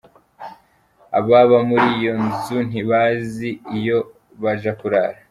Ababa muri iyo nzu ntibazi iyo baja kurara.